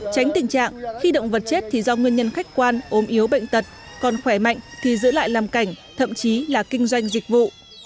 tránh tình trạng khi động vật chết thì do nguyên nhân khách quan ốm yếu bệnh tật còn khỏe mạnh thì giữ lại làm cảnh thậm chí là kinh doanh dịch vụ